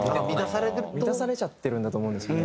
満たされちゃってるんだと思うんですよね。